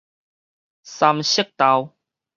三色豆